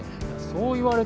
そう言われても。